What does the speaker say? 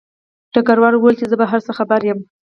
ډګروال وویل چې زه په هر څه خبر یم